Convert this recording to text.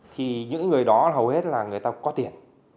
thì những người đó hầu hết là người ta có tiền